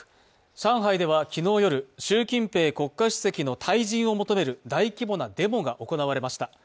上海では、昨日夜、習近平国家主席の退陣を求める大規模なデモが行われました。